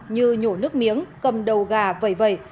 như nhổ nước miếng cầm đầu gà vầy vầy